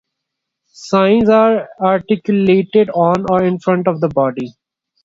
Signs are articulated on or in front of the body.